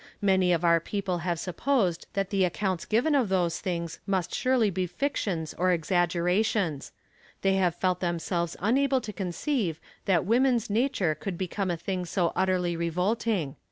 Many of our people have supposed that the accounts given of those things must surely be fictions or exaggerations. They have felt themselves unable to conceive that woman's nature could become a thing so utterly revolting.